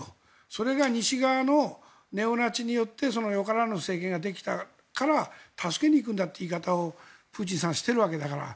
それが西側のネオナチによってよからぬ政権ができたから助けに行くんだという言い方をプーチンさんはしているわけだから。